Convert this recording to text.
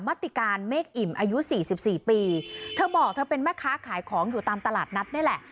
มัตติการเมฆอิ่มอายุ๔๔ปีเธอบอกว่าเธอเป็นแม่ค้าขายของอยู่ตามตลาดนัดนั่นแหละ